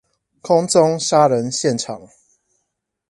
空中殺人現場